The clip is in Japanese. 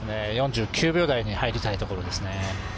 ４９秒台に入りたいところですね。